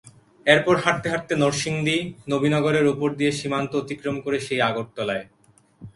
এরপর হাঁটতে হাঁটতে নরসিংদী, নবীনগরের ওপর দিয়ে সীমান্ত অতিক্রম করে সেই আগরতলায়।